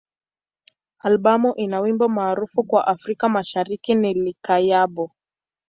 Albamu ina wimbo maarufu kwa Afrika Mashariki ni "Likayabo.